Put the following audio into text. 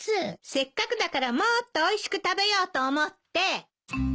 せっかくだからもっとおいしく食べようと思って。